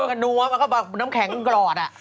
กระนั้วแล้วก็แบบน้ำแข็งกลอดอะ